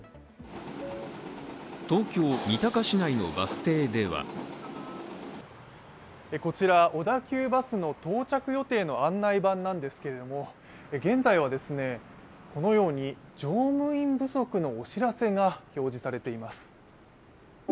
東京・三鷹市内のバス停ではこちら小田急バスの到着予定の案内板なんですけれども現在はこのように、乗務員不足のお知らせが表示されています。